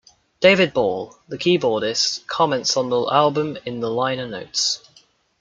David Ball, the keyboardist, comments on the album in the liner notes.